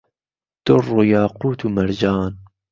دوڕڕ و یاقووت و مەرجان